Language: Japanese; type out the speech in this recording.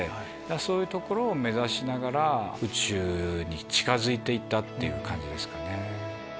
そういうところを目指しながら宇宙に近づいていったって感じですかね。